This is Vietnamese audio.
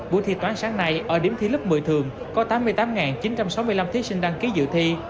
buổi thi toán sáng nay ở điểm thi lớp một mươi thường có tám mươi tám chín trăm sáu mươi năm thí sinh đăng ký dự thi